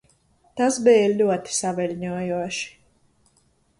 Tas bija ļoti saviļņojoši.